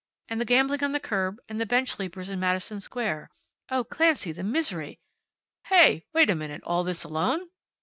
and the gambling on the Curb, and the bench sleepers in Madison Square Oh, Clancy, the misery " "Heh, wait a minute! All this, alone?"